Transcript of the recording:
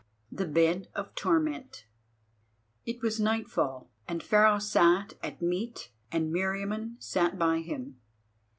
THE BED OF TORMENT It was nightfall, and Pharaoh sat at meat and Meriamun sat by him.